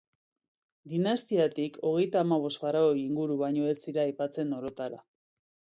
Dinastiatik, hogeita hamabost faraoi inguru baino ez dira aipatzen orotara.